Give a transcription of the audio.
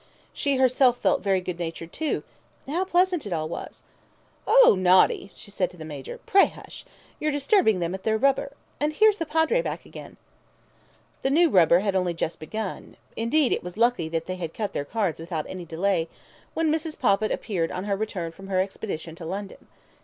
She herself felt very good natured, too. How pleasant it all was! "Oh, naughty!" she said to the Major. "Pray, hush! you're disturbing them at their rubber. And here's the Padre back again!" The new rubber had only just begun (indeed, it was lucky that they cut their cards without any delay) when Mrs. Poppit appeared on her return from her expedition to London.